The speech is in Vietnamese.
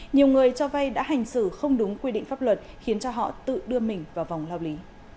nhiều người cho vay đã hành xử không đúng quy định pháp luật khiến cho họ tự đưa mình vào vòng lao lý